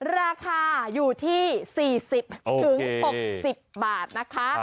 ราคาอยู่ที่๔๐๖๐บาทนะคะ